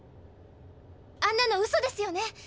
あんなのウソですよね？